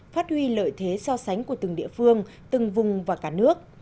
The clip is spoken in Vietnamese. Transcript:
phát huy lợi thế so sánh của từng địa phương từng vùng và cả nước